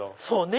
そう！